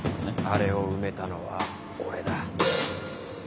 あれを埋めたのは俺だ。